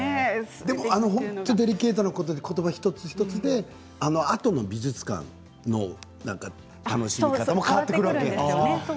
デリケートなことば一つ一つであとの美術館の楽しみ方も変わってくるわけですよね。